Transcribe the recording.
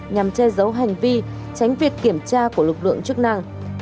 nhằm che giấu hành vi tránh việc kiểm tra của lực lượng chức năng